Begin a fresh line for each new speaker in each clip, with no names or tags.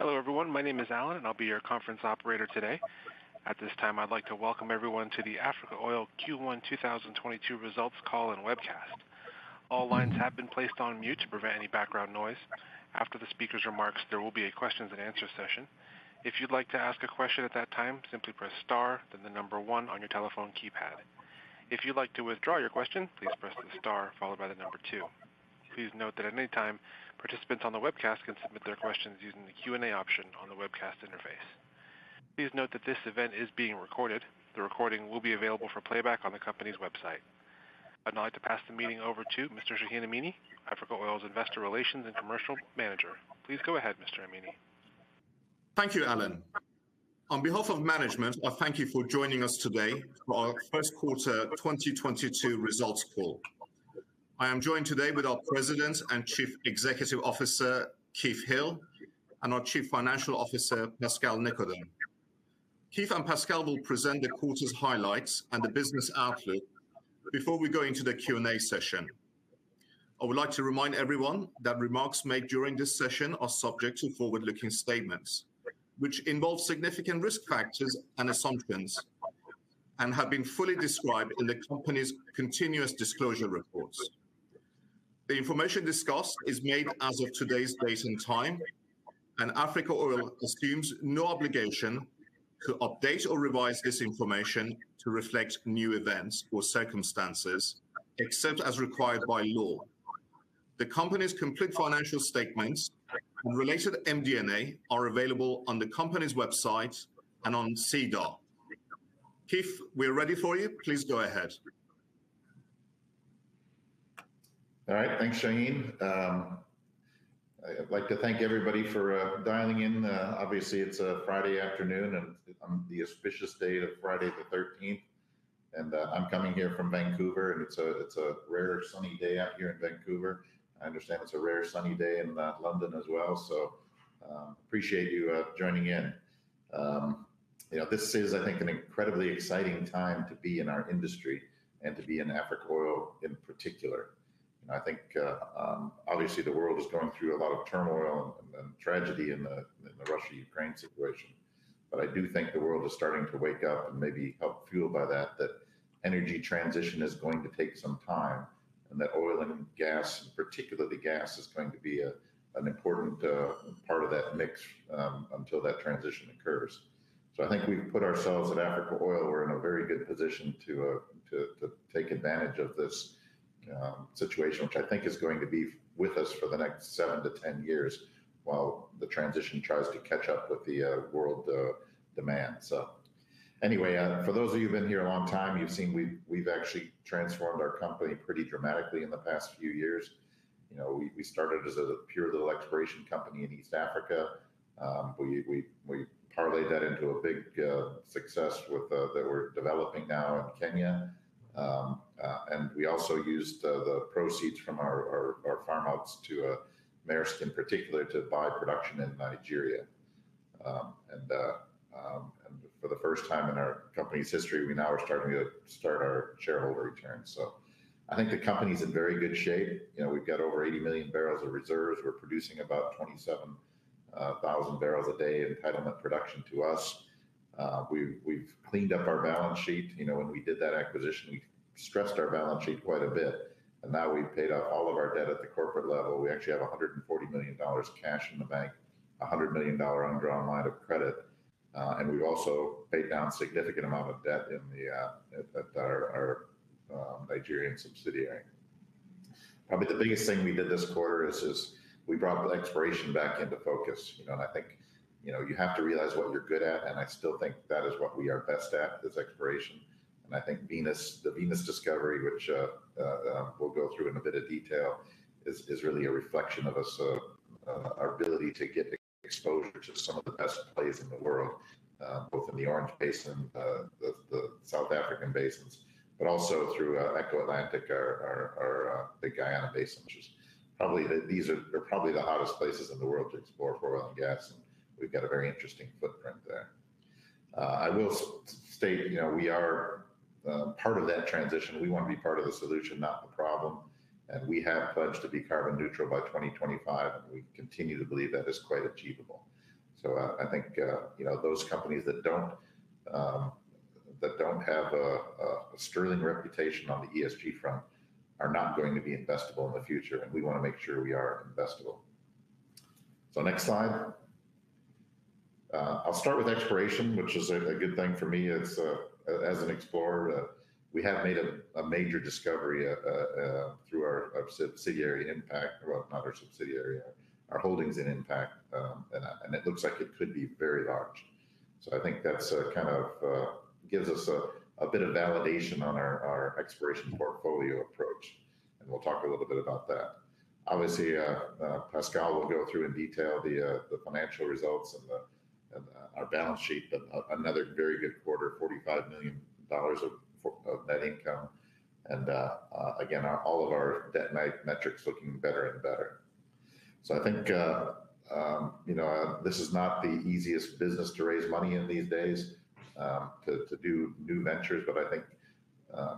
Hello, everyone. My name is Alan, and I'll be your conference operator today. At this time, I'd like to welcome everyone to the Meren Energy Q1 2022 Results Call and Webcast. All lines have been placed on mute to prevent any background noise. After the speaker's remarks, there will be a question and answer session. If you'd like to ask a question at that time, simply press star then the number one on your telephone keypad. If you'd like to withdraw your question, please press the star followed by the number two. Please note that at any time, participants on the webcast can submit their questions using the Q&A option on the webcast interface. Please note that this event is being recorded. The recording will be available for playback on the company's website. I'd now like to pass the meeting over to Mr. Shahin Amini, Africa Oil's Investor Relations and Commercial Manager. Please go ahead, Mr. Amini.
Thank you, Alan. On behalf of management, I thank you for joining us today for our first quarter 2022 results call. I am joined today with our President and Chief Executive Officer, Keith Hill, and our Chief Financial Officer, Pascal Nicodeme. Keith and Pascal will present the quarter's highlights and the business outlook before we go into the Q&A session. I would like to remind everyone that remarks made during this session are subject to forward-looking statements, which involve significant risk factors and assumptions and have been fully described in the company's continuous disclosure reports. The information discussed is made as of today's date and time, and Africa Oil assumes no obligation to update or revise this information to reflect new events or circumstances except as required by law. The company's complete financial statements and related MD&A are available on the company's website and on SEDAR. Keith, we're ready for you. Please go ahead.
All right. Thanks, Shahin. I'd like to thank everybody for dialing in. Obviously, it's a Friday afternoon, and on the auspicious date of Friday the thirteenth. I'm coming here from Vancouver, and it's a rare sunny day out here in Vancouver. I understand it's a rare sunny day in London as well. Appreciate you joining in. You know, this is, I think, an incredibly exciting time to be in our industry and to be in Africa Oil in particular. I think obviously the world is going through a lot of turmoil and tragedy in the Russia-Ukraine situation. I do think the world is starting to wake up and maybe helped fuel by that, energy transition is going to take some time, and oil and gas, and particularly gas, is going to be an important part of that mix until that transition occurs. I think we've put ourselves at Africa Oil; we're in a very good position to take advantage of this situation, which I think is going to be with us for the next 7-10 years while the transition tries to catch up with the world demand. Anyway, for those of you who've been here a long time, you've seen we've actually transformed our company pretty dramatically in the past few years. You know, we started as a pure little exploration company in East Africa. We parlayed that into a big success with that we're developing now in Kenya. We also used the proceeds from our farm outs to Maersk Oil in particular to buy production in Nigeria. For the first time in our company's history, we now are starting our shareholder returns. I think the company's in very good shape. You know, we've got over 80 million barrels of reserves. We're producing about 27,000 barrels a day in entitlement production to us. We've cleaned up our balance sheet. You know, when we did that acquisition, we stressed our balance sheet quite a bit. Now we've paid off all of our debt at the corporate level. We actually have $140 million cash in the bank, $100 million undrawn line of credit, and we've also paid down significant amount of debt at our Nigerian subsidiary. Probably the biggest thing we did this quarter is we brought exploration back into focus. You know, and I think, you know, you have to realize what you're good at, and I still think that is what we are best at, is exploration. I think Venus, the Venus discovery, which we'll go through in a bit of detail, is really a reflection of us, our ability to get exposure to some of the best plays in the world, both in the Orange Basin, the South African basins, but also through Eco Atlantic, the Guyana Basin. These are, they're probably the hottest places in the world to explore for oil and gas, and we've got a very interesting footprint there. I will state, you know, we are part of that transition. We want to be part of the solution, not the problem. We have pledged to be carbon neutral by 2025, and we continue to believe that is quite achievable. I think you know those companies that don't have a sterling reputation on the ESG front are not going to be investable in the future, and we wanna make sure we are investable. Next slide. I'll start with exploration, which is a good thing for me as an explorer. We have made a major discovery through our subsidiary Impact, well, not our subsidiary, our holdings in Impact. And it looks like it could be very large. I think that kind of gives us a bit of validation on our exploration portfolio approach. We'll talk a little bit about that. Obviously, Pascal will go through in detail the financial results and our balance sheet. Another very good quarter, $45 million of net income. Again, all of our debt metrics looking better and better. I think, you know, this is not the easiest business to raise money in these days, to do new ventures. I think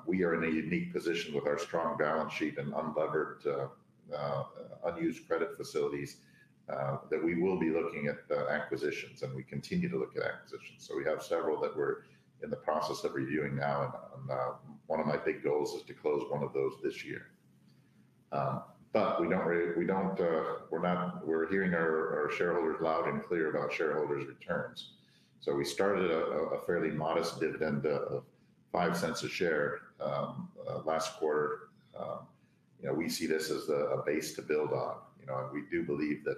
we are in a unique position with our strong balance sheet and unlevered unused credit facilities that we will be looking at acquisitions, and we continue to look at acquisitions. We have several that we're in the process of reviewing now, and one of my big goals is to close one of those this year. We don't really. We don't. We're hearing our shareholders loud and clear about shareholders' returns. We started a fairly modest dividend of $0.05 a share last quarter. We see this as a base to build on. We do believe that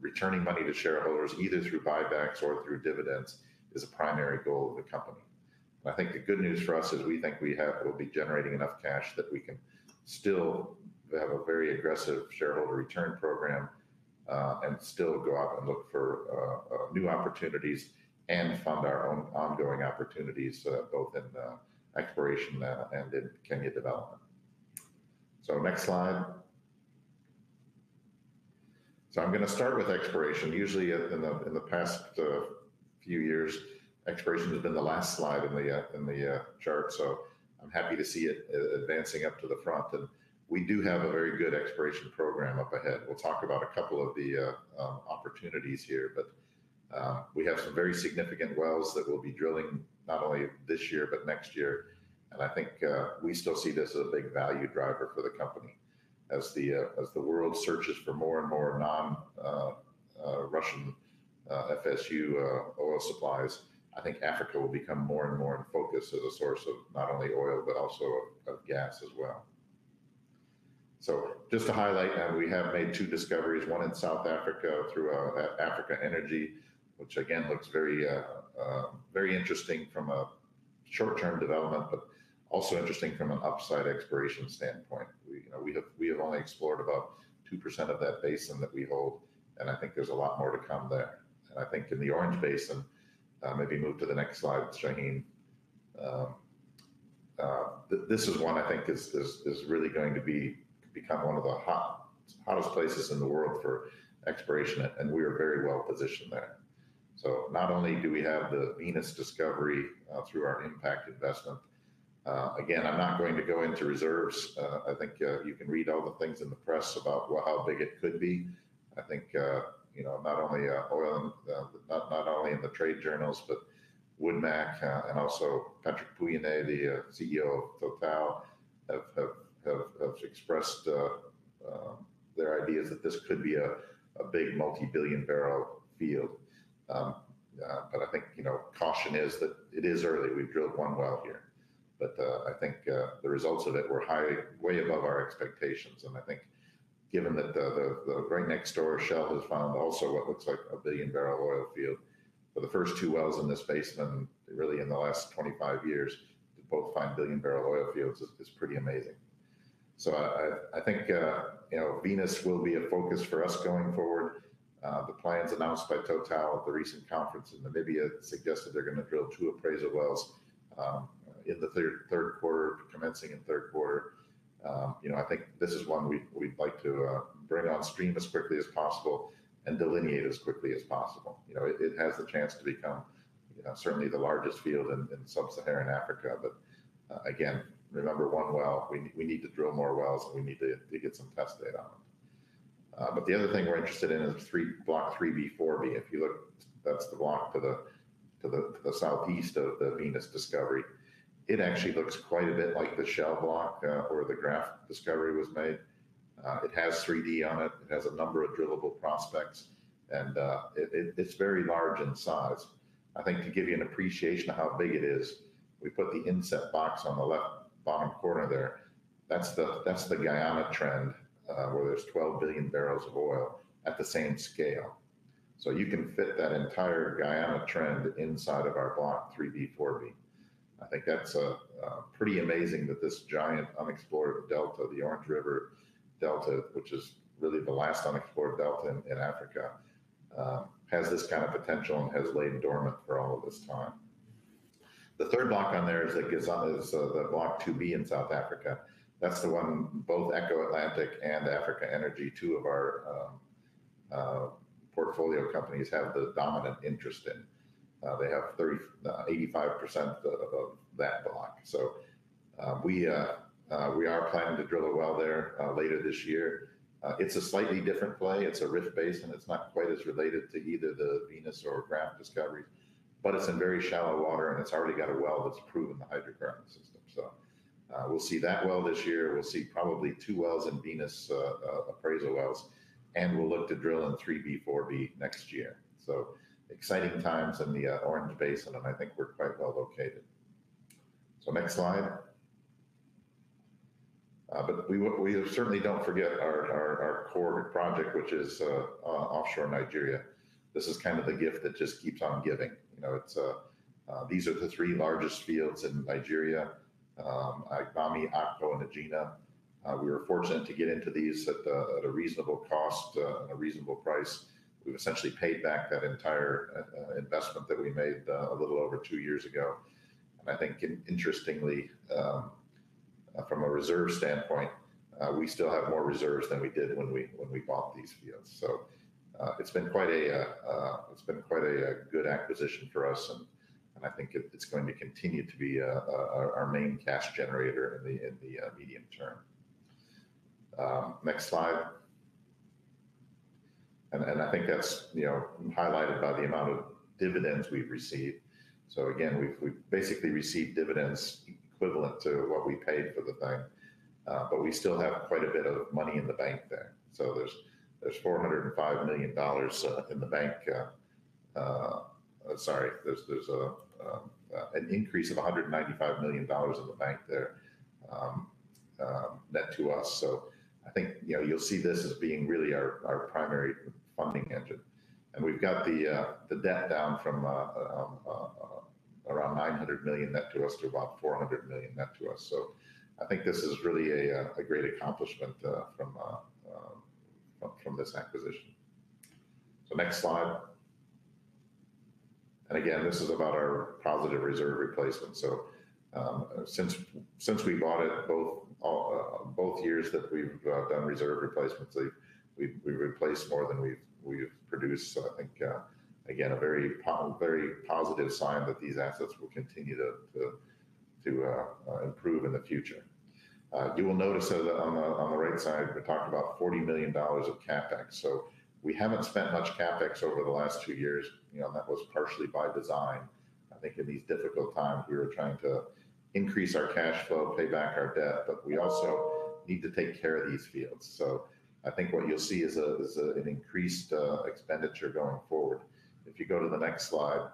returning money to shareholders, either through buybacks or through dividends, is a primary goal of the company. I think the good news for us is we'll be generating enough cash that we can still have a very aggressive shareholder return program, and still go out and look for, new opportunities and fund our own ongoing opportunities both in exploration and in Kenya development. Next slide. I'm gonna start with exploration. Usually in the past, few years, exploration has been the last slide in the chart, so I'm happy to see it advancing up to the front. We do have a very good exploration program up ahead. We'll talk about a couple of the opportunities here, but we have some very significant wells that we'll be drilling not only this year, but next year. I think we still see this as a big value driver for the company. As the world searches for more and more non-Russian FSU oil supplies, I think Africa will become more and more in focus as a source of not only oil, but also of gas as well. Just to highlight, we have made two discoveries, one in South Africa through Africa Energy, which again looks very interesting from a short-term development, but also interesting from an upside exploration standpoint. You know, we have only explored about 2% of that basin that we hold, and I think there's a lot more to come there. I think in the Orange Basin, maybe move to the next slide, Shahin. This is one I think is really going to become one of the hottest places in the world for exploration, and we are very well positioned there. Not only do we have the Venus discovery through our Impact investment. Again, I'm not going to go into reserves. I think you can read all the things in the press about how big it could be. I think you know not only in the trade journals, but WoodMac, and also Patrick Pouyanné, the CEO of TotalEnergies, have expressed their ideas that this could be a big multi-billion barrel field. I think you know caution is that it is early. We've drilled one well here. I think the results of it were way above our expectations. I think given that the right next door Shell has found also what looks like a billion barrel oil field for the first two wells in this basin, really in the last 25 years, to both find billion barrel oil fields is pretty amazing. I think you know, Venus will be a focus for us going forward. The plans announced by Total at the recent conference in Namibia suggest that they're gonna drill 2 appraisal wells in the third quarter commencing in third quarter. You know, I think this is one we'd like to bring on stream as quickly as possible and delineate as quickly as possible. You know, it has the chance to become certainly the largest field in Sub-Saharan Africa. Again, remember one well, we need to drill more wells, and we need to get some test data. The other thing we're interested in is 3B/4B. If you look, that's the block to the southeast of the Venus discovery. It actually looks quite a bit like the Shell block where the Graff discovery was made. It has 3D on it. It has a number of drillable prospects, and it's very large in size. I think to give you an appreciation of how big it is, we put the inset box on the left bottom corner there. That's the Guyana trend where there's 12 billion barrels of oil at the same scale. You can fit that entire Guyana trend inside of our Block 3B/4B. I think that's pretty amazing that this giant unexplored delta, the Orange River Delta, which is really the last unexplored delta in Africa, has this kind of potential and has laid dormant for all of this time. The third block on there is Block 2B in South Africa. That's the one both Eco Atlantic and Africa Energy, two of our portfolio companies, have the dominant interest in. They have 85% of that block. We are planning to drill a well there later this year. It's a slightly different play. It's a rift basin. It's not quite as related to either the Venus or Graff discoveries, but it's in very shallow water, and it's already got a well that's proven the hydrocarbon system. We'll see that well this year. We'll see probably two wells in Venus, appraisal wells, and we'll look to drill in 3B4B next year. Exciting times in the Orange Basin, and I think we're quite well located. Next slide. We certainly don't forget our core project, which is offshore Nigeria. This is kind of the gift that just keeps on giving. You know, it's these are the three largest fields in Nigeria, Agbami, Akpo, and Egina. We were fortunate to get into these at a reasonable cost, a reasonable price. We've essentially paid back that entire investment that we made a little over two years ago. I think interestingly from a reserve standpoint we still have more reserves than we did when we bought these fields. It's been quite a good acquisition for us, and I think it's going to continue to be our main cash generator in the medium term. Next slide. I think that's you know highlighted by the amount of dividends we've received. Again we've basically received dividends equivalent to what we paid for the thing but we still have quite a bit of money in the bank there. There's $405 million in the bank. Sorry. There's an increase of $195 million in the bank there, net to us. I think, you know, you'll see this as being really our primary funding engine. We've got the debt down from around $900 million net to us to about $400 million net to us. I think this is really a great accomplishment from this acquisition. Next slide. Again, this is about our positive reserve replacement. Since we bought it, both years that we've done reserve replacements, we've replaced more than we've produced. I think again, a very positive sign that these assets will continue to improve in the future. You will notice that on the right side, we're talking about $40 million of CapEx. We haven't spent much CapEx over the last two years. You know, that was partially by design. I think in these difficult times, we were trying to increase our cash flow, pay back our debt, but we also need to take care of these fields. I think what you'll see is an increased expenditure going forward. If you go to the next slide.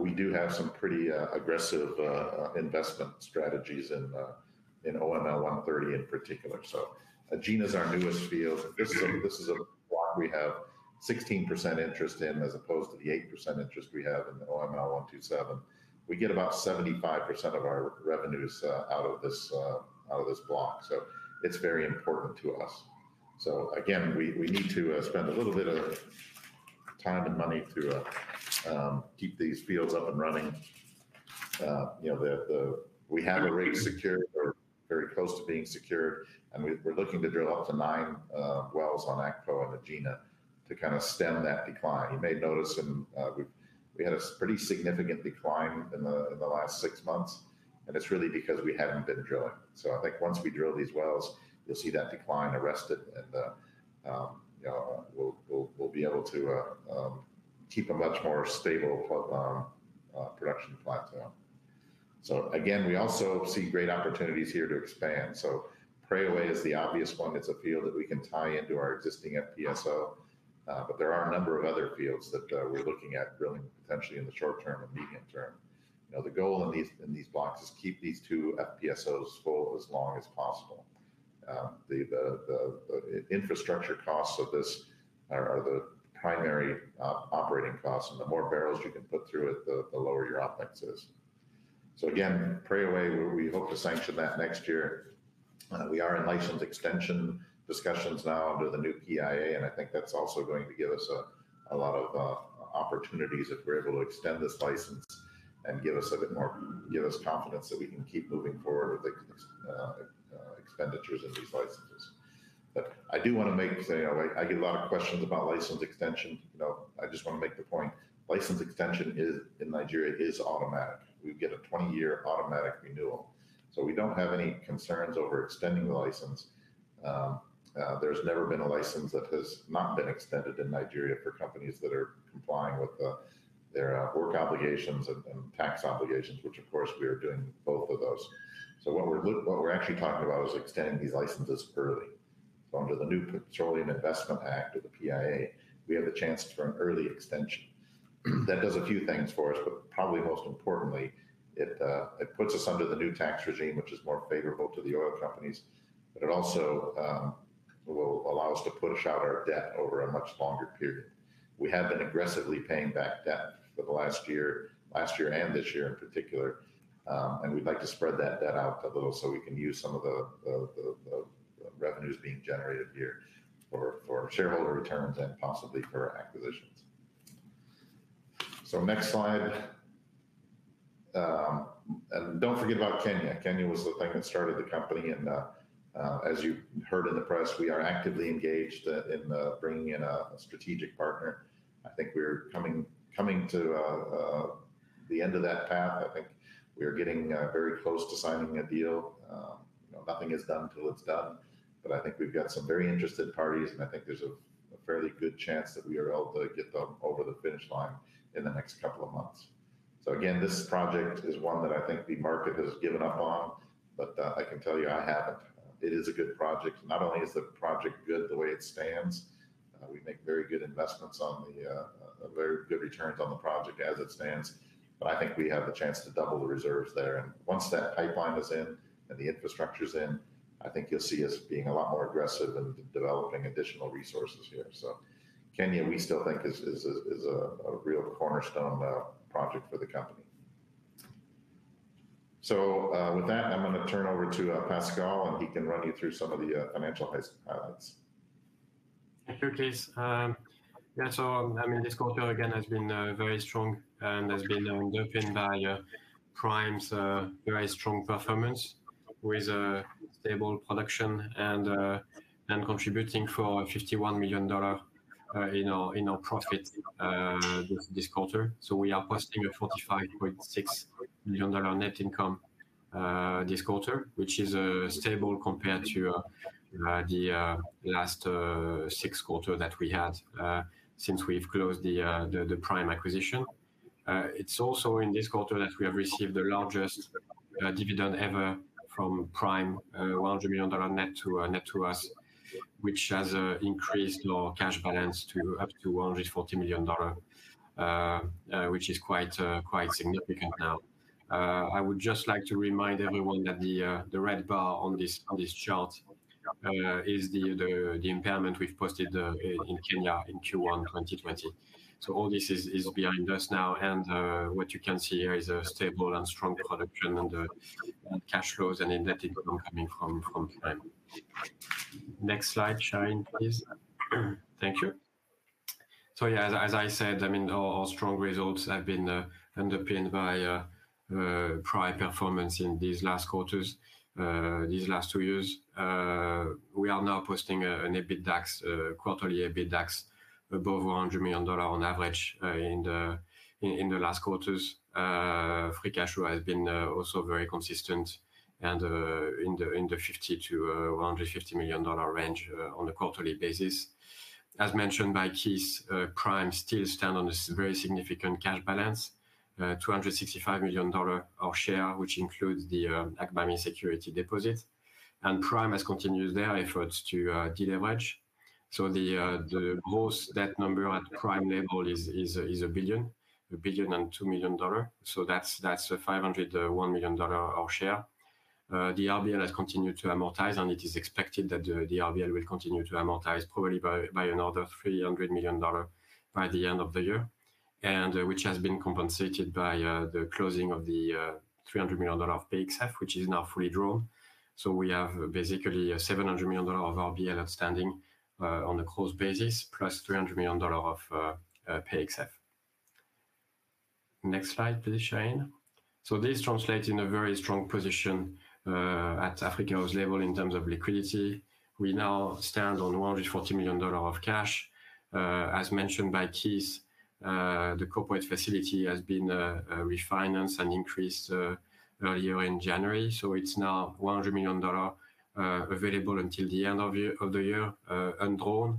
We do have some pretty aggressive investment strategies in OML 130 in particular. Egina is our newest field. This is a block we have 16% interest in as opposed to the 8% interest we have in OML 127. We get about 75% of our revenues out of this block. It's very important to us. Again, we need to spend a little bit of time and money to keep these fields up and running. You know, we have a rate secured or very close to being secured, and we're looking to drill up to nine wells on Akpo and Egina to kind of stem that decline. You may notice we had a pretty significant decline in the last six months, and it's really because we haven't been drilling. I think once we drill these wells, you'll see that decline arrested, and you know, we'll be able to keep a much more stable production plateau. Again, we also see great opportunities here to expand. Preowei is the obvious one. It's a field that we can tie into our existing FPSO. But there are a number of other fields that we're looking at drilling potentially in the short term and medium term. You know, the goal in these blocks is to keep these two FPSOs full as long as possible. The infrastructure costs of this are the primary operating costs, and the more barrels you can put through it, the lower your OpEx is. Again, Preowei, we hope to sanction that next year. We are in license extension discussions now under the new PIA, and I think that's also going to give us a lot of opportunities if we're able to extend this license and give us confidence that we can keep moving forward with the expenditures of these licenses. I do wanna make. You know, I get a lot of questions about license extension. You know, I just wanna make the point. License extension in Nigeria is automatic. We get a 20-year automatic renewal. We don't have any concerns over extending the license. There's never been a license that has not been extended in Nigeria for companies that are complying with their work obligations and tax obligations, which of course, we are doing both of those. What we're actually talking about is extending these licenses early. Under the new Petroleum Industry Act or the PIA, we have the chance for an early extension. That does a few things for us, but probably most importantly, it puts us under the new tax regime, which is more favorable to the oil companies. It also will allow us to push out our debt over a much longer period. We have been aggressively paying back debt for the last year and this year in particular. We'd like to spread that debt out a little so we can use some of the revenues being generated here for shareholder returns and possibly for acquisitions. Next slide. Don't forget about Kenya. Kenya was the thing that started the company, and as you heard in the press, we are actively engaged in bringing in a strategic partner. I think we're coming to the end of that path. I think we are getting very close to signing a deal. You know, nothing is done till it's done. I think we've got some very interested parties, and I think there's a fairly good chance that we are able to get them over the finish line in the next couple of months. Again, this project is one that I think the market has given up on, but I can tell you I haven't. It is a good project. Not only is the project good the way it stands, we make very good investments on the very good returns on the project as it stands, but I think we have a chance to double the reserves there. Once that pipeline is in and the infrastructure's in, I think you'll see us being a lot more aggressive in developing additional resources here. Kenya, we still think is a real cornerstone project for the company. With that, I'm gonna turn over to Pascal, and he can run you through some of the financial highlights.
Thank you, Keith. Yeah, so, I mean, this quarter again has been very strong and has been underpinned by Prime's very strong performance with stable production and contributing $51 million to our profit this quarter. We are posting a $45.6 million net income this quarter, which is stable compared to the last six quarters that we had since we've closed the Prime acquisition. It's also in this quarter that we have received the largest dividend ever from Prime, $100 million net to us, which has increased our cash balance up to $140 million, which is quite significant now. I would just like to remind everyone that the red bar on this chart is the impairment we've posted in Kenya in Q1 2020. All this is behind us now, and what you can see here is a stable and strong production and cash flows and net income coming from Prime. Next slide, Shane, please. Thank you. Yeah, as I said, I mean, our strong results have been underpinned by Prime performance in these last quarters, these last two years. We are now posting a quarterly EBITDAX above $100 million on average in the last quarters. Free cash flow has been also very consistent and in the $50 million-$150 million range on a quarterly basis. As mentioned by Keith, Prime still stand on this very significant cash balance, $265 million our share, which includes the Agbami security deposit. Prime has continued their efforts to de-leverage. The gross debt number at Prime level is $1.002 billion. That's $501 million our share. The RBL has continued to amortize, and it is expected that the RBL will continue to amortize probably by another $300 million by the end of the year, and which has been compensated by the closing of the $300 million of PXF, which is now fully drawn. We have basically $700 million of RBL outstanding on a gross basis, plus $300 million of PXF. Next slide, please, Shane. This translates in a very strong position at Africa Oil's level in terms of liquidity. We now stand on $140 million of cash. As mentioned by Keith, the corporate facility has been refinanced and increased earlier in January, so it's now $100 million available until the end of the year, undrawn.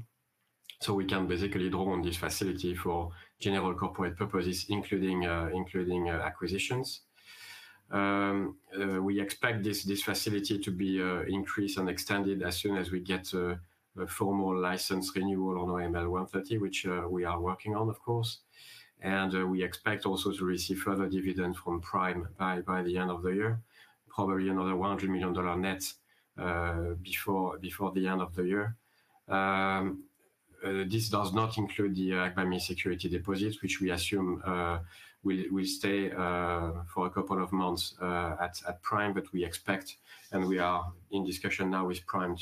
We can basically draw on this facility for general corporate purposes, including acquisitions. We expect this facility to be increased and extended as soon as we get a formal license renewal on OML 130, which we are working on, of course. We expect also to receive further dividend from Prime by the end of the year, probably another $100 million net before the end of the year. This does not include the Agbami security deposit, which we assume will stay for a couple of months at Prime, but we expect, and we are in discussion now with Prime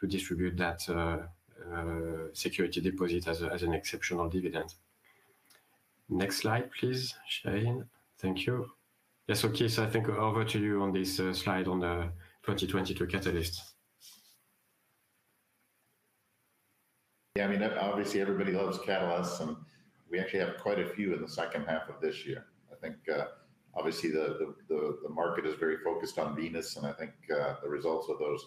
to distribute that security deposit as an exceptional dividend. Next slide, please, Shane. Thank you. Yes. Keith, I think over to you on this slide on 2022 catalysts.
Yeah, I mean, obviously everybody loves catalysts, and we actually have quite a few in the second half of this year. I think, obviously the market is very focused on Venus, and I think, the results of those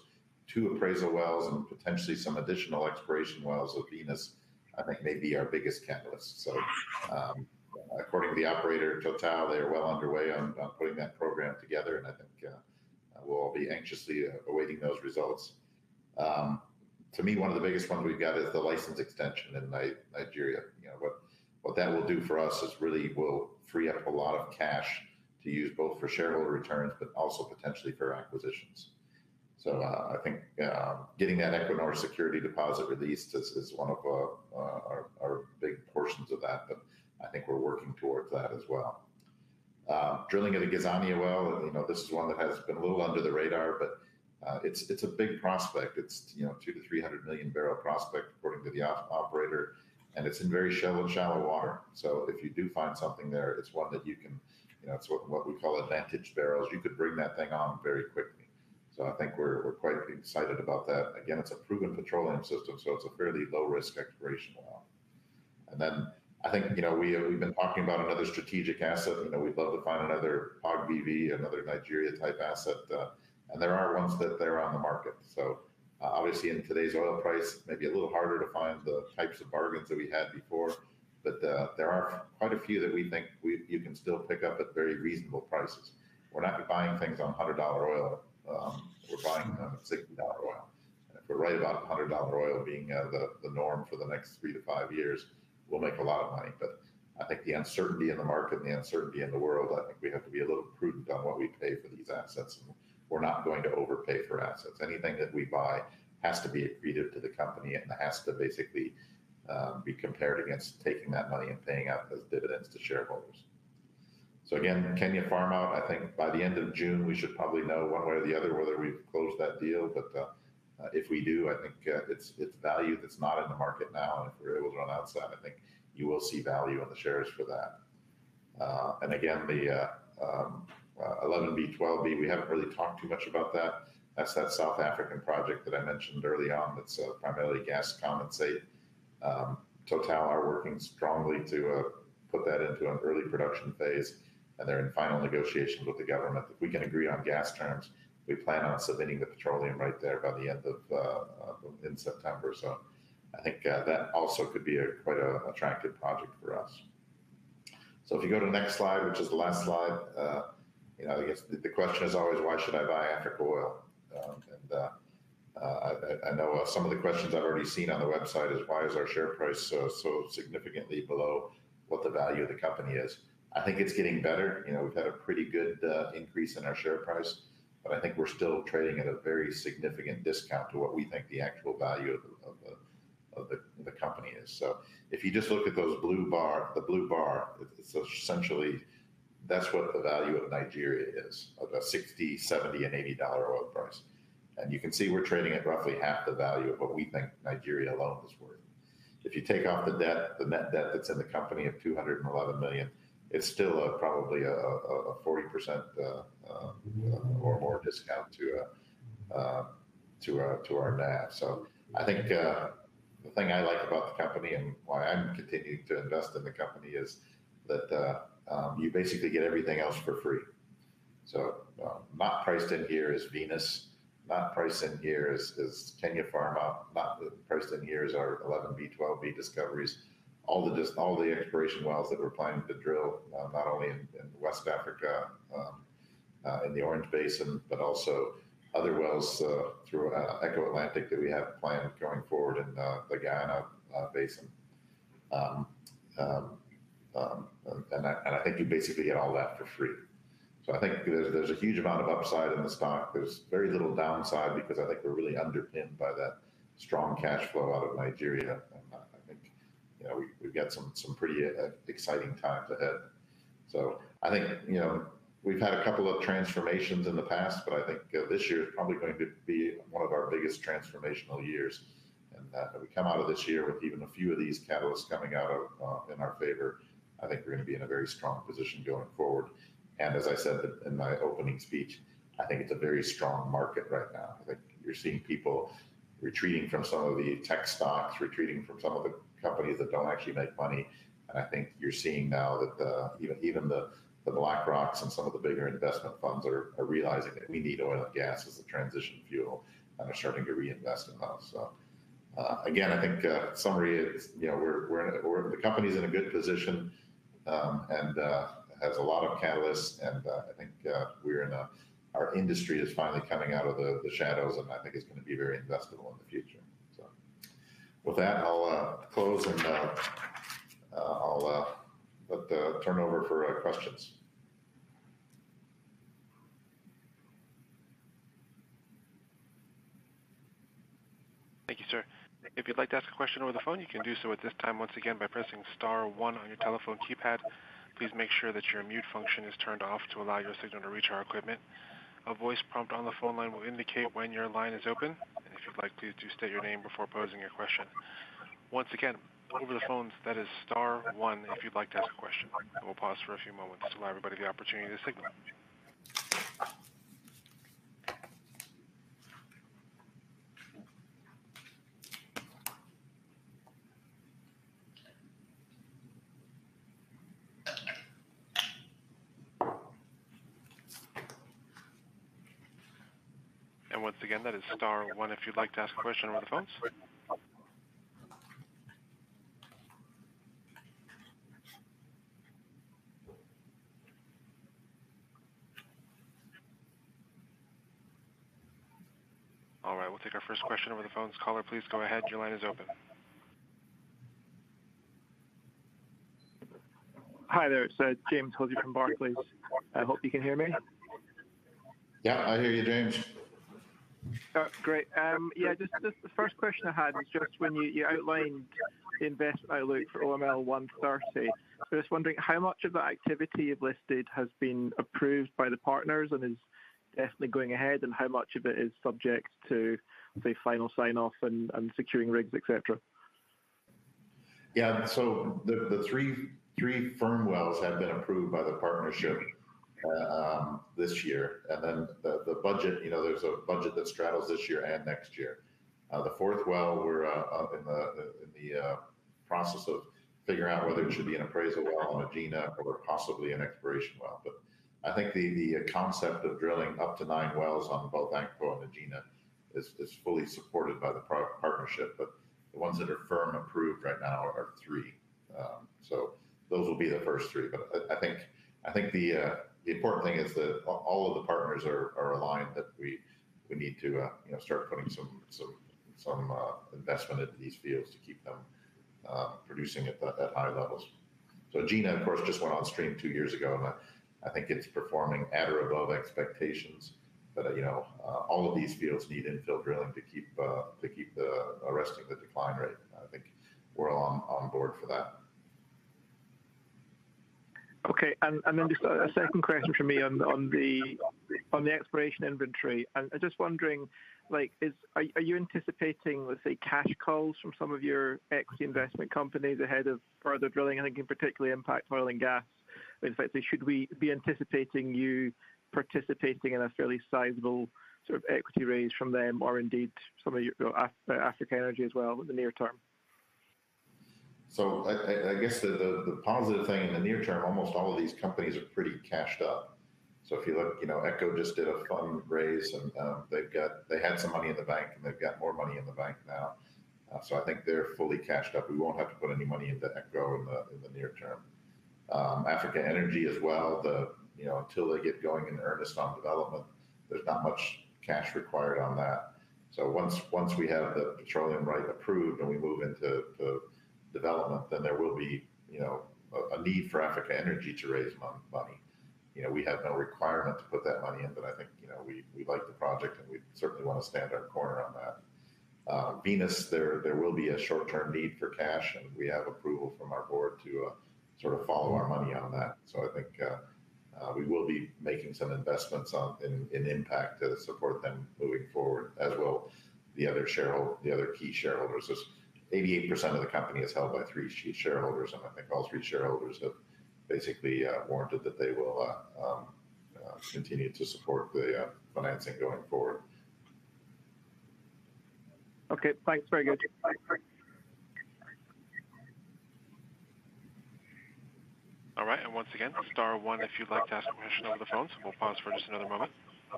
two appraisal wells and potentially some additional exploration wells of Venus, I think may be our biggest catalyst. According to the operator, TotalEnergies, they are well underway on putting that program together, and I think, we'll all be anxiously awaiting those results. To me, one of the biggest ones we've got is the license extension in Nigeria. You know, what that will do for us is really will free up a lot of cash to use both for shareholder returns, but also potentially for acquisitions. I think getting that Equinor security deposit released is one of our big portions of that, but I think we're working towards that as well. Drilling at the Gazania well, you know, this is one that has been a little under the radar, but it's a big prospect. It's, you know, 200-300 million barrel prospect according to the operator, and it's in very shallow water. If you do find something there, it's one that you can. You know, it's what we call advantage barrels. You could bring that thing on very quickly. I think we're quite excited about that. Again, it's a proven petroleum system, so it's a fairly low risk exploration well. Then I think, you know, we've been talking about another strategic asset. You know, we'd love to find another POGBV, another Nigeria type asset. There are ones that are on the market. Obviously in today's oil price, maybe a little harder to find the types of bargains that we had before. There are quite a few that you can still pick up at very reasonable prices. We're not buying things on $100 oil. We're buying them at $60 oil. If we're right about $100 oil being the norm for the next 3-5 years, we'll make a lot of money. I think the uncertainty in the market and the uncertainty in the world, I think we have to be a little prudent on what we pay for these assets, and we're not going to overpay for assets. Anything that we buy has to be accretive to the company, and it has to basically be compared against taking that money and paying out those dividends to shareholders. Again, Kenya farm-out, I think by the end of June, we should probably know one way or the other whether we've closed that deal. If we do, I think it's value that's not in the market now, and if we're able to run outside, I think you will see value in the shares for that. Again, the 11B, 12B, we haven't really talked too much about that. That's that South African project that I mentioned early on that's primarily gas condensate. TotalEnergies are working strongly to put that into an early production phase, and they're in final negotiations with the government. If we can agree on gas terms, we plan on submitting the petroleum right there by the end of mid-September. I think that also could be quite an attractive project for us. If you go to the next slide, which is the last slide, you know, I guess the question is always why should I buy Africa Oil? I know some of the questions I've already seen on the website is why is our share price so significantly below what the value of the company is? I think it's getting better. You know, we've had a pretty good increase in our share price, but I think we're still trading at a very significant discount to what we think the actual value of the company is. If you just look at the blue bar, essentially that's what the value of Nigeria is, of a $60, $70, and $80 oil price. You can see we're trading at roughly half the value of what we think Nigeria alone is worth. If you take off the debt, the net debt that's in the company of $211 million, it's still probably a 40% or more discount to our NAV. I think the thing I like about the company and why I'm continuing to invest in the company is that you basically get everything else for free. Not priced in here is Venus. Not priced in here is Kenya Farm Out. Not priced in here is our 11B, 12B discoveries. All the exploration wells that we're planning to drill, not only in West Africa, in the Orange Basin, but also other wells, through Eco Atlantic that we have planned going forward in the Guyana Basin. I think you basically get all that for free. I think there's a huge amount of upside in the stock. There's very little downside because I think we're really underpinned by that strong cash flow out of Nigeria. I think, you know, we've got some pretty exciting times ahead. I think, you know, we've had a couple of transformations in the past, but I think this year is probably going to be one of our biggest transformational years. If we come out of this year with even a few of these catalysts coming out of in our favor, I think we're gonna be in a very strong position going forward. As I said in my opening speech, I think it's a very strong market right now. I think you're seeing people retreating from some of the tech stocks, retreating from some of the companies that don't actually make money. I think you're seeing now that even the BlackRock and some of the bigger investment funds are realizing that we need oil and gas as a transition fuel, and they're starting to reinvest in us. Again, I think summary is, you know, the company's in a good position, and has a lot of catalysts. I think our industry is finally coming out of the shadows, and I think it's gonna be very investable in the future. With that, I'll close, and I'll turn over for questions.
Thank you, sir. If you'd like to ask a question over the phone, you can do so at this time, once again, by pressing star one on your telephone keypad. Please make sure that your mute function is turned off to allow your signal to reach our equipment. A voice prompt on the phone line will indicate when your line is open. If you'd like to, do state your name before posing your question. Once again, over the phones, that is star one if you'd like to ask a question. We'll pause for a few moments to allow everybody the opportunity to signal. Once again, that is star one if you'd like to ask a question over the phones. All right, we'll take our first question over the phones. Caller, please go ahead. Your line is open.
Yeah, I hear you, James.
Oh, great. Yeah, just the first question I had was just when you outlined the investment outlook for OML 130. I was wondering how much of that activity you've listed has been approved by the partners and is definitely going ahead, and how much of it is subject to, say, final sign-off and securing rigs, et cetera?
Yeah. The three firm wells have been approved by the partnership this year. The budget, you know, there's a budget that straddles this year and next year. The fourth well, we're in the process of figuring out whether it should be an appraisal well on Egina or possibly an exploration well. I think the concept of drilling up to nine wells on both Akpo and Egina is fully supported by the partnership. The ones that are firm approved right now are three. Those will be the first three. I think the important thing is that all of the partners are aligned that we need to, you know, start putting some investment into these fields to keep them producing at high levels. Egina, of course, just went on stream two years ago, and I think it's performing at or above expectations. You know, all of these fields need infill drilling to keep arresting the decline rate. I think we're all on board for that.
Then just a second question from me on the exploration inventory. I'm just wondering, are you anticipating, let's say, cash calls from some of your equity investment companies ahead of further drilling, and I think in particular Impact Oil & Gas? In fact, should we be anticipating you participating in a fairly sizable sort of equity raise from them, or indeed some of your Africa Energy as well in the near term?
I guess the positive thing in the near term, almost all of these companies are pretty cashed up. If you look, you know, Eco just did a fundraise and they had some money in the bank, and they've got more money in the bank now. I think they're fully cashed up. We won't have to put any money into Eco in the near term. Africa Energy as well, you know, until they get going in earnest on development, there's not much cash required on that. Once we have the petroleum right approved, and we move into development, then there will be, you know, a need for Africa Energy to raise money. You know, we have no requirement to put that money in, but I think, you know, we like the project, and we certainly wanna stand in our corner on that. In this, there will be a short-term need for cash, and we have approval from our board to sort of follow our money on that. I think we will be making some investments in Impact to support them moving forward as well as the other key shareholders. Just 88% of the company is held by three shareholders, and I think all three shareholders have basically warranted that they will continue to support the financing going forward.
Okay. Thanks. Very good.
All right. Once again, star one if you'd like to ask a question over the phone. We'll pause for just another moment.
The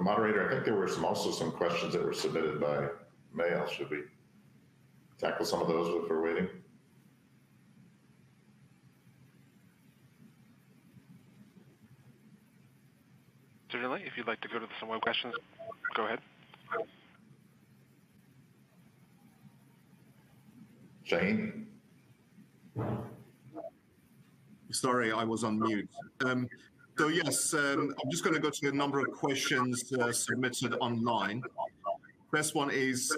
moderator, I think there were also some questions that were submitted by mail. Should we tackle some of those if we're waiting?
Certainly. If you'd like to go to some more questions, go ahead.
Shane?
Sorry, I was on mute. Yes, I'm just gonna go to the number of questions that are submitted online. First one is,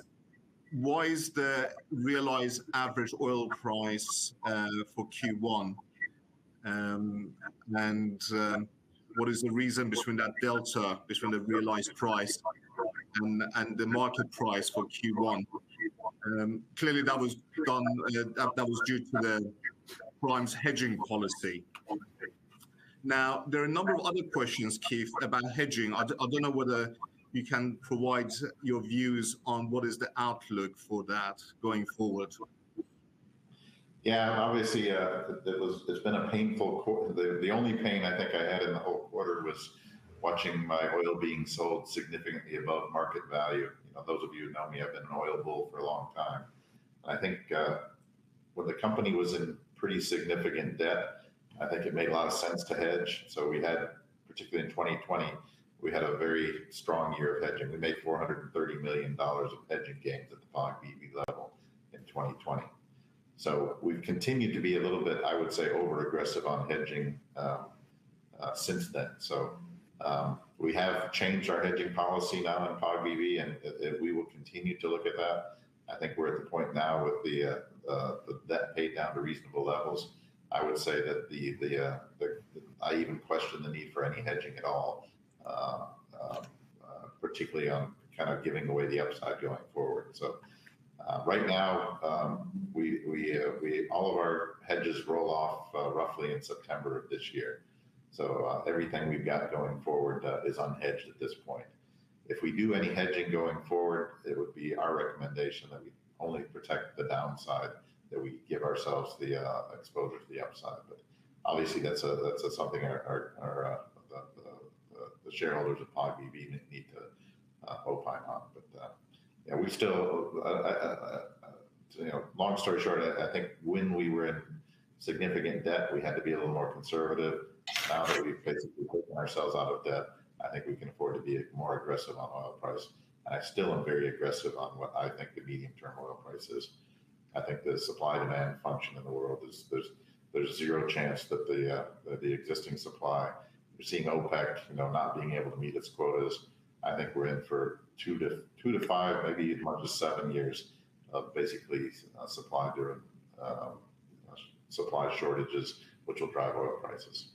why is the realized average oil price for Q1? What is the reason for the delta between the realized price and the market price for Q1? Clearly, that was due to Prime's hedging policy. Now, there are a number of other questions, Keith, about hedging. I don't know whether you can provide your views on what is the outlook for that going forward.
Yeah. Obviously, there's been a painful quarter. The only pain I think I had in the whole quarter was watching my oil being sold significantly above market value. You know, those of you who know me, I've been an oil bull for a long time. I think, when the company was in pretty significant debt, I think it made a lot of sense to hedge. We had, particularly in 2020, we had a very strong year of hedging. We made $430 million of hedging gains at the POGBV level in 2020. We've continued to be a little bit, I would say, overaggressive on hedging since then. We have changed our hedging policy now in POGBV, and we will continue to look at that. I think we're at the point now with the debt paid down to reasonable levels. I would say that I even question the need for any hedging at all, particularly on kind of giving away the upside going forward. Right now, all of our hedges roll off, roughly in September of this year. Everything we've got going forward is unhedged at this point. If we do any hedging going forward, it would be our recommendation that we only protect the downside, that we give ourselves the exposure to the upside. Obviously that's something the shareholders of POGBV need to opine on. Yeah, we still, you know, long story short, I think when we were in significant debt, we had to be a little more conservative. Now that we've basically gotten ourselves out of debt, I think we can afford to be more aggressive on oil price, and I still am very aggressive on what I think the medium-term oil price is. I think the supply-demand function in the world is there's zero chance that the existing supply. We're seeing OPEC, you know, not being able to meet its quotas. I think we're in for 2-5, maybe as much as seven years of basically supply shortages, which will drive oil prices.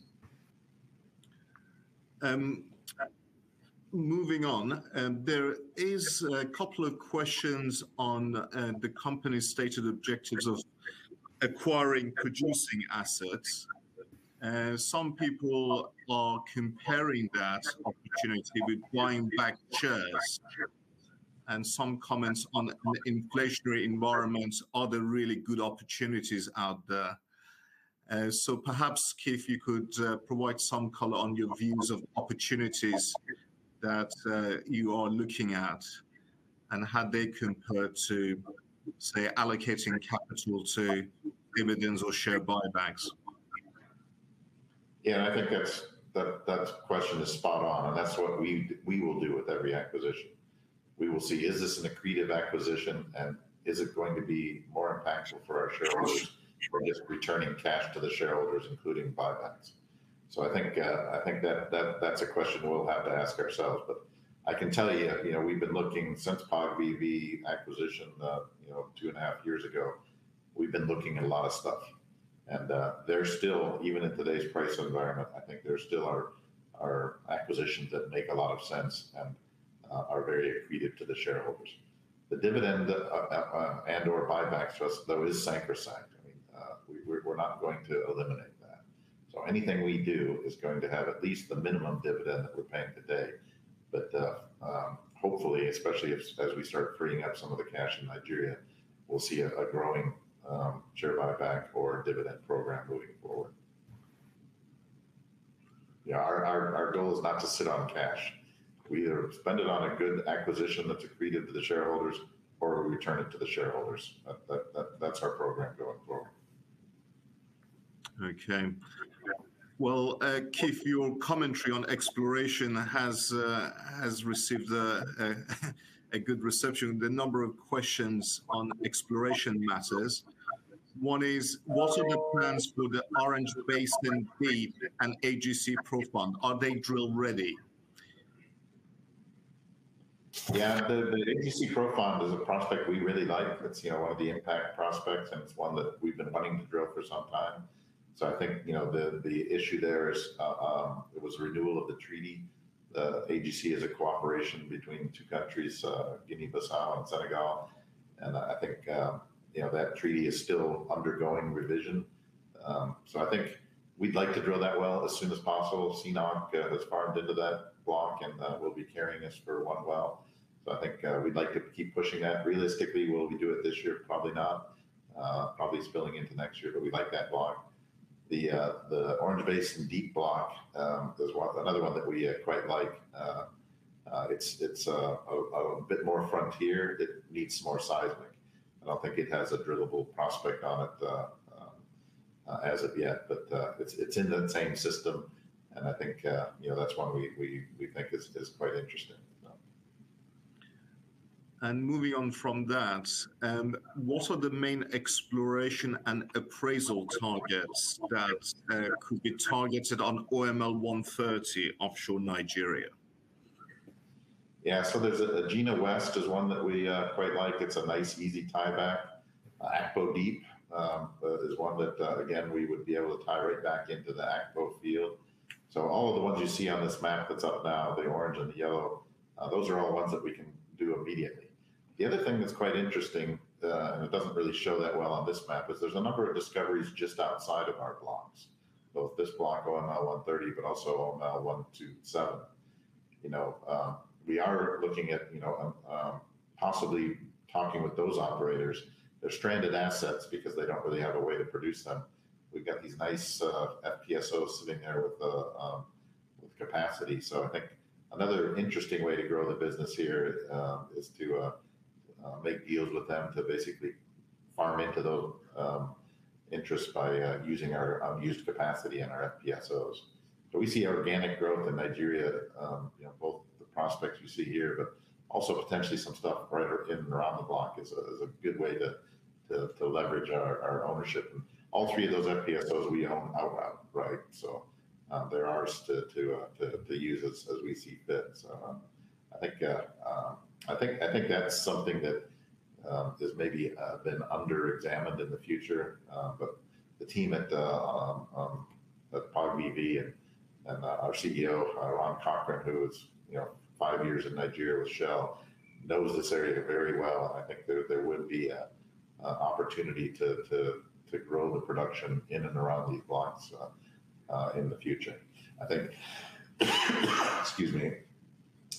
Moving on, there is a couple of questions on the company's stated objectives of acquiring producing assets. Some people are comparing that opportunity with buying back shares, and some comments on the inflationary environment. Are there really good opportunities out there? Perhaps, Keith, you could provide some color on your views of opportunities that you are looking at and how they compare to, say, allocating capital to dividends or share buybacks.
Yeah, I think that's. That question is spot on, and that's what we will do with every acquisition. We will see, is this an accretive acquisition, and is it going to be more impactful for our shareholders than just returning cash to the shareholders, including buybacks? I think that's a question we'll have to ask ourselves. I can tell you know, we've been looking since POGBV acquisition, you know, two and a half years ago. We've been looking at a lot of stuff. There's still, even in today's price environment, I think there still are acquisitions that make a lot of sense and are very accretive to the shareholders. The dividend and/or buybacks for us, though, is sacrosanct. I mean, we're not going to eliminate that. Anything we do is going to have at least the minimum dividend that we're paying today. Hopefully, especially if as we start freeing up some of the cash in Nigeria, we'll see a growing share buyback or dividend program moving forward. Yeah. Our goal is not to sit on cash. We either spend it on a good acquisition that's accretive to the shareholders or return it to the shareholders. That's our program going forward.
Okay.
Yeah.
Well, Keith, your commentary on exploration has received a good reception. The number of questions on exploration matters. One is, what are the plans for the Orange Basin Deep and AGC Profond? Are they drill ready?
Yeah. The AGC Profond is a prospect we really like. It's, you know, one of the Impact prospects, and it's one that we've been wanting to drill for some time. I think, you know, the issue there is it was renewal of the treaty. The AGC is a cooperation between two countries, Guinea-Bissau and Senegal, and I think, you know, that treaty is still undergoing revision. So I think we'd like to drill that well as soon as possible. CNOOC has farmed into that block, and will be carrying us for one well. So I think we'd like to keep pushing that. Realistically, will we do it this year? Probably not. Probably spilling into next year, but we like that block. The Orange Basin deep block is another one that we quite like. It's a bit more frontier. It needs more seismic. I don't think it has a drillable prospect on it as of yet, but it's in the same system, and I think, you know, that's one we think is quite interesting.
Moving on from that, what are the main exploration and appraisal targets that could be targeted on OML 130 offshore Nigeria?
Egina West is one that we quite like. It's a nice easy tieback. Akpo Deep is one that again we would be able to tie right back into the Akpo field. All of the ones you see on this map that's up now, the orange and the yellow, those are all ones that we can do immediately. The other thing that's quite interesting and it doesn't really show that well on this map is there's a number of discoveries just outside of our blocks. Both this block, OML 130, but also OML 127. You know, we are looking at, you know, possibly talking with those operators. They're stranded assets because they don't really have a way to produce them. We've got these nice FPSOs sitting there with capacity. I think another interesting way to grow the business here is to make deals with them to basically farm into those interests by using our unused capacity in our FPSOs. We see organic growth in Nigeria, you know, both the prospects you see here, but also potentially some stuff right in and around the block is a good way to leverage our ownership. All three of those FPSOs we own outright, right? I think that's something that has maybe been underexamined in the future. The team at POGBV and our CEO, Ron Cochrane, who was, you know, five years in Nigeria with Shell, knows this area very well, and I think there would be an opportunity to grow the production in and around these blocks in the future. I think, excuse me,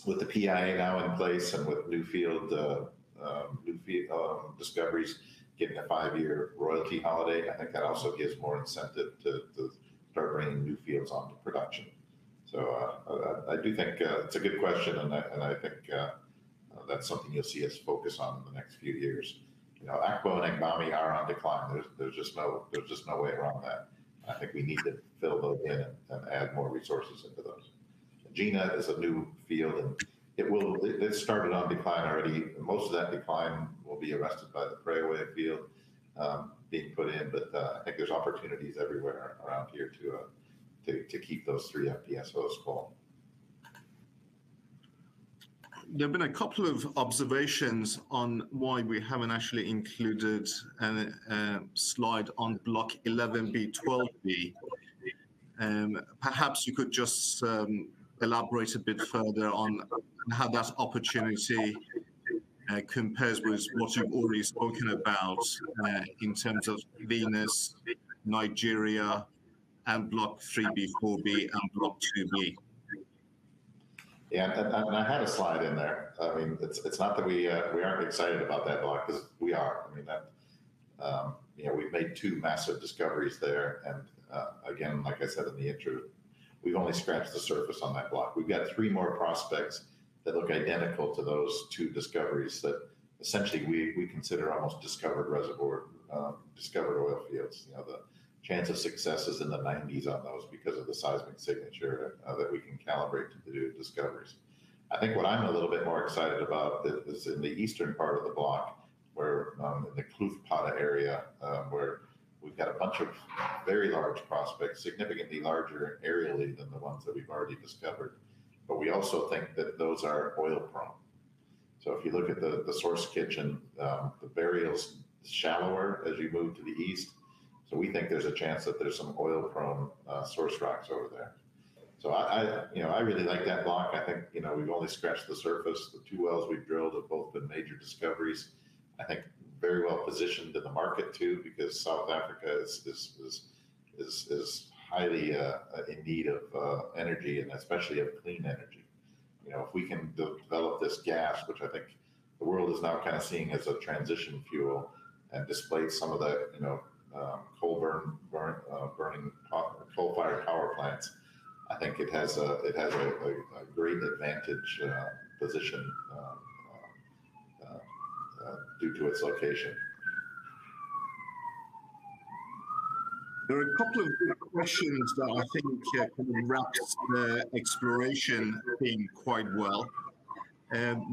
with the PIA now in place and with new field discoveries getting a five-year royalty holiday, I think that also gives more incentive to start bringing new fields onto production. I do think it's a good question, and I think that's something you'll see us focus on in the next few years. You know, Akpo and Agbami are on decline. There's just no way around that. I think we need to fill those in and add more resources into those. Egina is a new field. It started on decline already. Most of that decline will be arrested by the Preowei field being put in. I think there's opportunities everywhere around here to keep those three FPSOs full.
There've been a couple of observations on why we haven't actually included a slide on Block 11B/12B. Perhaps you could just elaborate a bit further on how that opportunity compares with what you've already spoken about in terms of Venus, Nigeria, and Block 3B/4B, and Block 2B.
Yeah. I had a slide in there. I mean, it's not that we aren't excited about that block, 'cause we are. I mean, you know, we've made two massive discoveries there, and again, like I said in the intro, we've only scratched the surface on that block. We've got three more prospects that look identical to those two discoveries that essentially we consider almost discovered reservoir, discovered oil fields. You know, the chance of success is in the 90s on those because of the seismic signature that we can calibrate to do discoveries. I think what I'm a little bit more excited about is in the eastern part of the block where, in the Kloofpadda area, where we've got a bunch of very large prospects, significantly larger aerially than the ones that we've already discovered. We also think that those are oil prone. If you look at the source kitchen, the burial's shallower as you move to the east, we think there's a chance that there's some oil-prone source rocks over there. I you know I really like that block. I think you know we've only scratched the surface. The two wells we've drilled have both been major discoveries. I think very well positioned in the market too, because South Africa is highly in need of energy and especially of clean energy. You know, if we can develop this gas, which I think the world is now kind of seeing as a transition fuel and displace some of the, you know, coal burning coal-fired power plants, I think it has a great advantageous position due to its location.
There are a couple of good questions that I think kind of wraps the exploration theme quite well.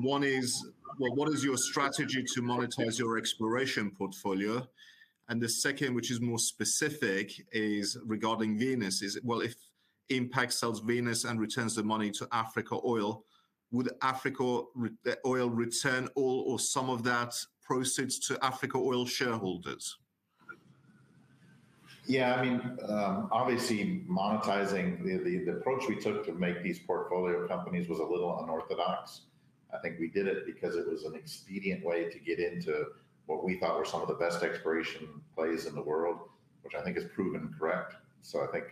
One is, well, what is your strategy to monetize your exploration portfolio? The second, which is more specific, is regarding Venus. Well, if Impact sells Venus and returns the money to Africa Oil, would Africa Oil return all or some of that proceeds to Africa Oil shareholders?
Yeah, I mean, obviously, the approach we took to make these portfolio companies was a little unorthodox. I think we did it because it was an expedient way to get into what we thought were some of the best exploration plays in the world, which I think has proven correct. I think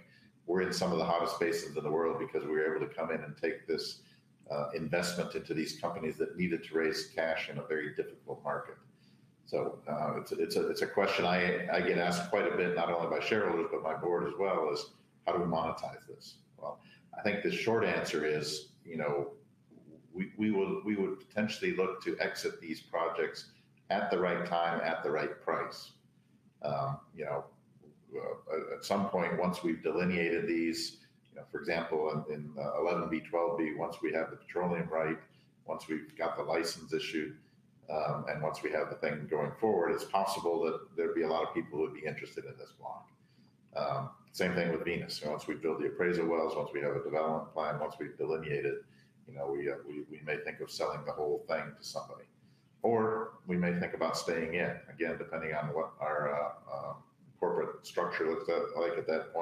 we're in some of the hottest basins in the world because we were able to come in and take this investment into these companies that needed to raise cash in a very difficult market. It's a question I get asked quite a bit, not only by shareholders but my board as well, is how do we monetize this? I think the short answer is, you know, we would potentially look to exit these projects at the right time at the right price. You know, at some point, once we've delineated these, you know, for example, in 11B, 12B, once we have the petroleum right, once we've got the license issued, and once we have the thing going forward, it's possible that there'd be a lot of people who would be interested in this block. Same thing with Venus. You know, once we build the appraisal wells, once we have a development plan, once we've delineated, you know, we may think of selling the whole thing to somebody. We may think about staying in, again, depending on what our corporate structure looks at, like at that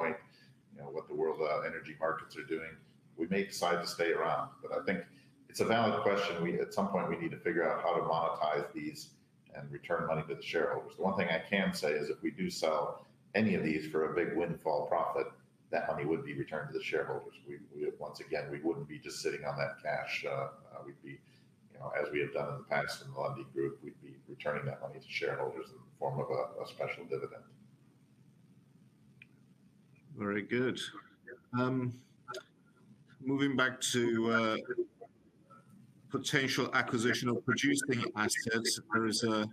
point, you know, what the world energy markets are doing. We may decide to stay around. I think it's a valid question. At some point, we need to figure out how to monetize these and return money to the shareholders. The one thing I can say is if we do sell any of these for a big windfall profit, that money would be returned to the shareholders. Once again, we wouldn't be just sitting on that cash. We'd be, you know, as we have done in the past in the Lundin Group, we'd be returning that money to shareholders in the form of a special dividend.
Very good. Moving back to potential acquisition of producing assets, there is a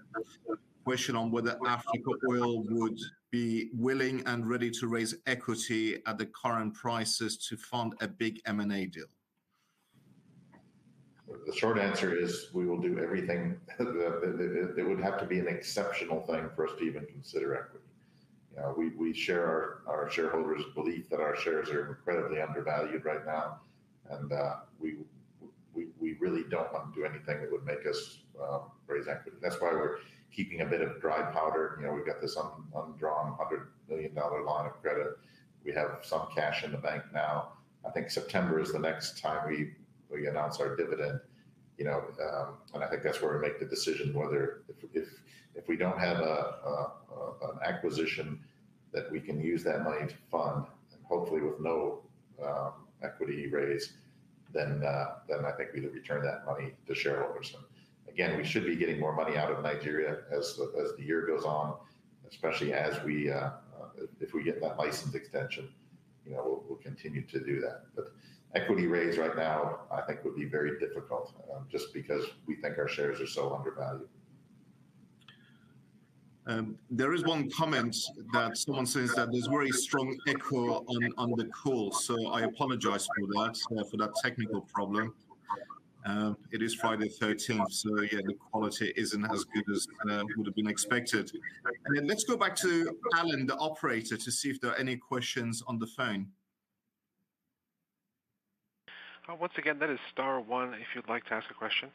question on whether Meren Energy would be willing and ready to raise equity at the current prices to fund a big M&A deal.
The short answer is we will do everything. It would have to be an exceptional thing for us to even consider equity. You know, we share our shareholders' belief that our shares are incredibly undervalued right now, and we really don't want to do anything that would make us raise equity. That's why we're keeping a bit of dry powder. You know, we've got this undrawn $100 million line of credit. We have some cash in the bank now. I think September is the next time we announce our dividend, you know, and I think that's where we make the decision whether. If we don't have an acquisition that we can use that money to fund and hopefully with no equity raise, then I think we'd return that money to shareholders. Again, we should be getting more money out of Nigeria as the year goes on, especially if we get that license extension. You know, we'll continue to do that. Equity raise right now I think would be very difficult, just because we think our shares are so undervalued.
There is one comment that someone says that there's very strong echo on the call. I apologize for that, for that technical problem. It is Friday thirteenth, so again, the quality isn't as good as would have been expected. Let's go back to Alan, the operator, to see if there are any questions on the phone.
Once again, that is star one if you'd like to ask a question.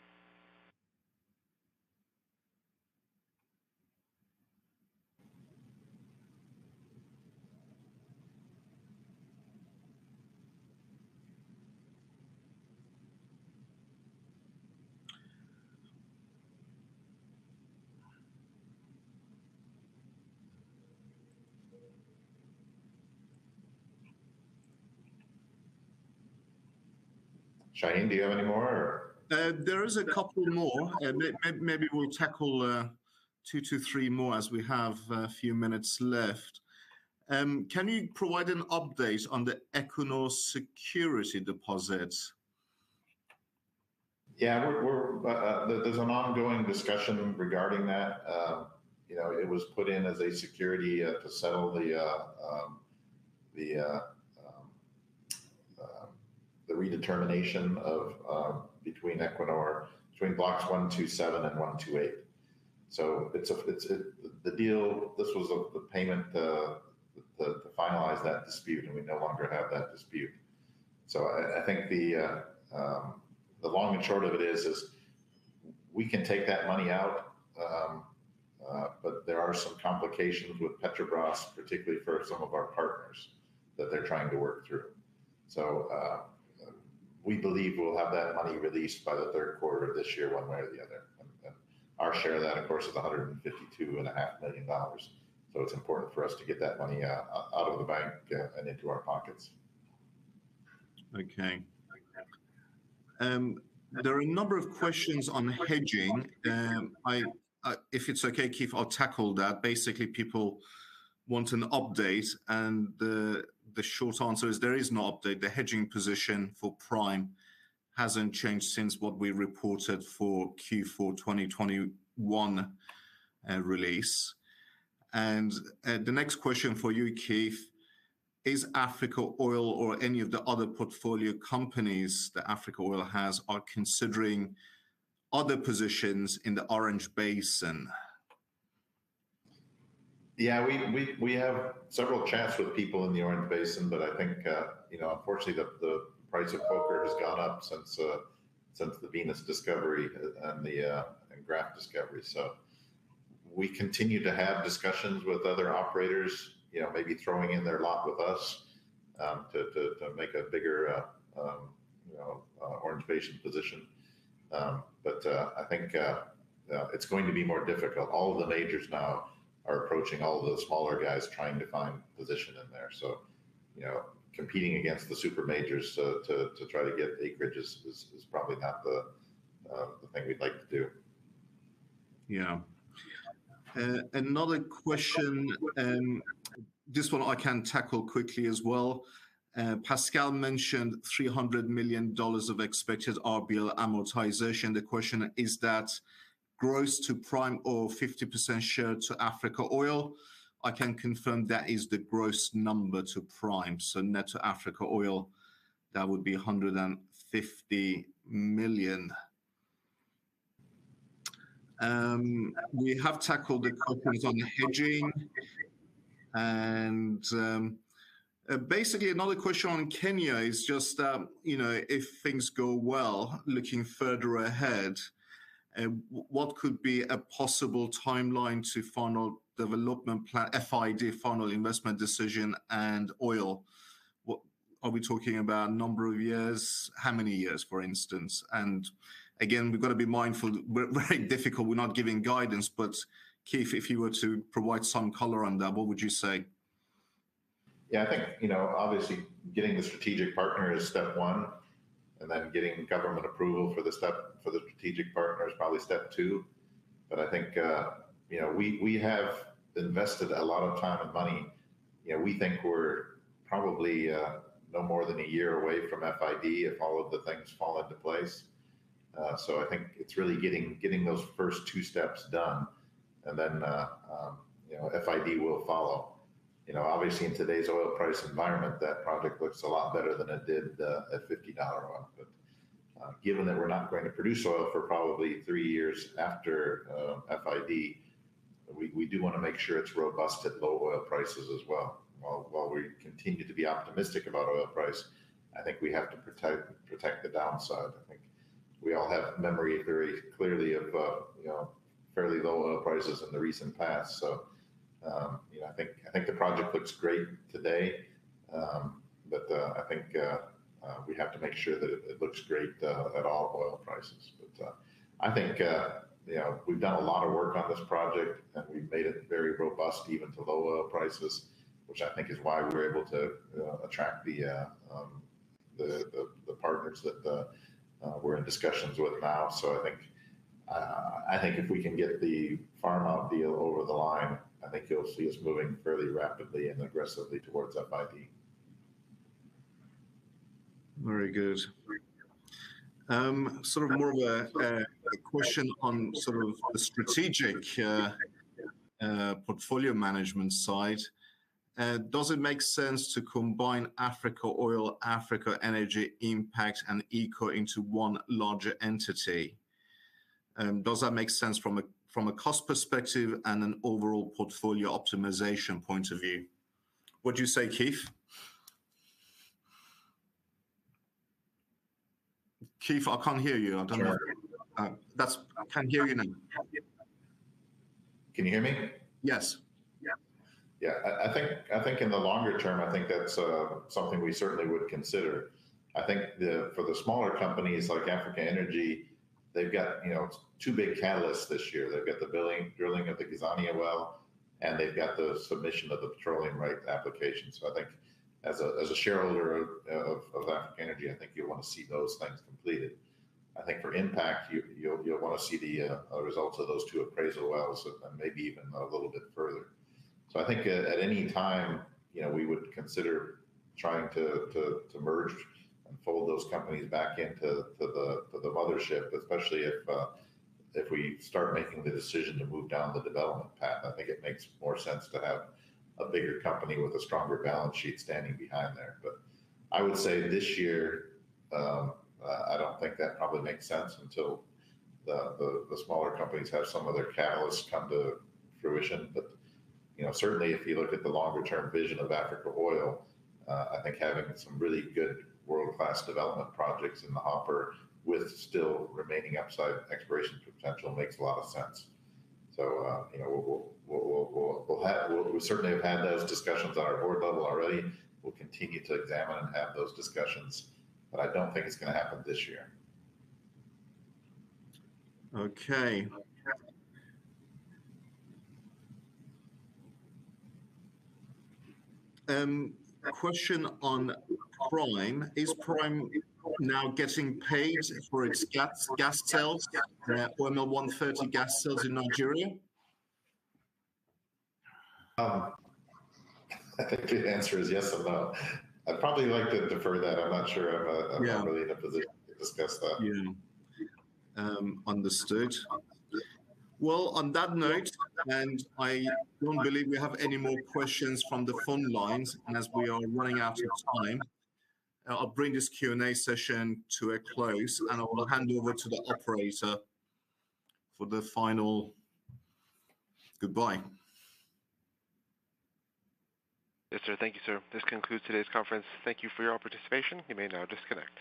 Shahin Amini, do you have any more or?
There is a couple more. Maybe we'll tackle two to three more as we have a few minutes left. Can you provide an update on the Equinor security deposit?
Yeah. There's an ongoing discussion regarding that. You know, it was put in as a security to settle the redetermination between Equinor blocks 127 and 128. It's the payment to finalize that dispute, and we no longer have that dispute. I think the long and short of it is we can take that money out, but there are some complications with Petrobras, particularly for some of our partners that they're trying to work through. We believe we'll have that money released by the third quarter of this year one way or the other. Our share of that, of course, is $152 and a half million. It's important for us to get that money out of the bank and into our pockets.
Okay. There are a number of questions on hedging. If it's okay, Keith, I'll tackle that. Basically, people want an update, and the short answer is there is no update. The hedging position for Prime hasn't changed since what we reported for Q4 2021 release. The next question for you, Keith, is Africa Oil or any of the other portfolio companies that Africa Oil has are considering other positions in the Orange Basin?
Yeah. We have several chats with people in the Orange Basin, but I think, you know, unfortunately, the price of poker has gone up since the Venus discovery and the Graff discovery. We continue to have discussions with other operators, you know, maybe throwing in their lot with us to make a bigger Orange Basin position. But I think it's going to be more difficult. All of the majors now are approaching all of the smaller guys trying to find position in there. You know, competing against the super majors to try to get acreage is probably not the thing we'd like to do.
Yeah. Another question, this one I can tackle quickly as well. Pascal mentioned $300 million of expected RBL amortization. The question is that gross to Prime or 50% share to Africa Oil? I can confirm that is the gross number to Prime. Net to Africa Oil, that would be $150 million. We have tackled a couple of things on the hedging and basically another question on Kenya is just you know if things go well looking further ahead what could be a possible timeline to final development plan FID final investment decision and oil? What are we talking about a number of years? How many years for instance? Again we've got to be mindful. We're very careful. We're not giving guidance. Keith, if you were to provide some color on that, what would you say?
Yeah. I think, you know, obviously getting the strategic partner is step one, and then getting government approval for the strategic partner is probably step two. I think, you know, we have invested a lot of time and money. You know, we think we're probably no more than a year away from FID if all of the things fall into place. I think it's really getting those first two steps done and then, you know, FID will follow. You know, obviously in today's oil price environment, that project looks a lot better than it did at $50 oil. Given that we're not going to produce oil for probably three years after FID, we do wanna make sure it's robust at low oil prices as well. While we continue to be optimistic about oil price, I think we have to protect the downside. I think we all have memory very clearly of, you know, fairly low oil prices in the recent past. You know, I think the project looks great today, but I think we have to make sure that it looks great at all oil prices. I think, you know, we've done a lot of work on this project, and we've made it very robust, even to low oil prices, which I think is why we're able to attract the partners that we're in discussions with now. I think if we can get the farm-out deal over the line, I think you'll see us moving fairly rapidly and aggressively towards FID.
Very good. Sort of more of a question on sort of the strategic portfolio management side. Does it make sense to combine Africa Oil, Africa Energy, Impact Oil & Gas, and Eco Atlantic into one larger entity? Does that make sense from a cost perspective and an overall portfolio optimization point of view? What do you say, Keith? Keith, I can't hear you. I don't know.
Can you hear me?
I can hear you now.
Can you hear me?
Yes.
Yeah. I think in the longer term, I think that's something we certainly would consider. I think for the smaller companies like Africa Energy, they've got, you know, two big catalysts this year. They've got the drilling of the Gazania well, and they've got the submission of the petroleum right application. I think as a shareholder of Africa Energy, I think you'll wanna see those things completed. I think for Impact, you'll wanna see the results of those two appraisal wells and maybe even a little bit further. I think at any time, you know, we would consider trying to merge and fold those companies back into the mothership, especially if we start making the decision to move down the development path. I think it makes more sense to have a bigger company with a stronger balance sheet standing behind there. I would say this year, I don't think that probably makes sense until the smaller companies have some of their catalysts come to fruition. You know, certainly if you look at the longer term vision of Africa Oil, I think having some really good world-class development projects in the hopper with still remaining upside exploration potential makes a lot of sense. You know, we certainly have had those discussions at our board level already. We'll continue to examine and have those discussions, but I don't think it's gonna happen this year.
Okay. A question on Prime. Is Prime now getting paid for its gas sales, OML 130 gas sales in Nigeria?
I think the answer is yes and no. I'd probably like to defer that. I'm not sure if
Yeah.
I'm really in a position to discuss that.
Yeah. Understood. Well, on that note, and I don't believe we have any more questions from the phone lines, and as we are running out of time, I'll bring this Q&A session to a close, and I will hand you over to the operator for the final goodbye.
Yes, sir. Thank you, sir. This concludes today's conference. Thank you for your participation. You may now disconnect.